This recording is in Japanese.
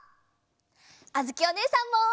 あづきおねえさんも！